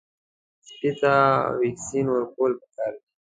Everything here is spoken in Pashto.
سپي ته واکسین ورکول پکار دي.